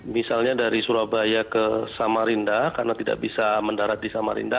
misalnya dari surabaya ke samarinda karena tidak bisa mendarat di samarinda